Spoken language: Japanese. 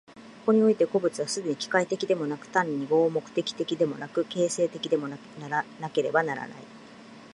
ここにおいて個物は既に機械的でもなく、単に合目的的でもなく、形成的でなければならない。